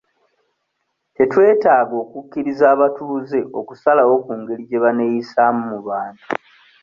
Tetwetaaga okukkiriza abatuuze okusalawo ku ngeri gye baneeyisaamu mu bantu.